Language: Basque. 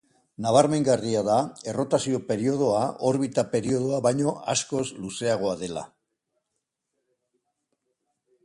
Nabarmengarria da errotazio periodoa orbita periodoa baino askoz luzeagoa dela.